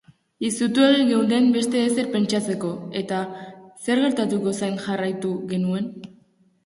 Izutuegi geunden beste ezer pentsatzeko, eta zer gertatuko zain jarraitu genuen.